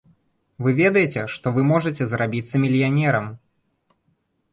Вы ведаеце, што вы можаце зрабіцца мільянерам?